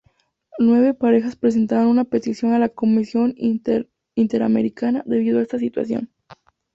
Nueve parejas presentaron una petición a la Comisión Interamericana debido a esta situación.